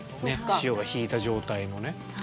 潮が引いた状態のね。